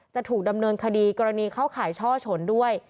จะถูกดำเนินคดีกรณีเข้าข่ายช่อชนด้วย